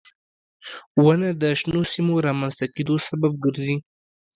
• ونه د شنو سیمو رامنځته کېدو سبب ګرځي.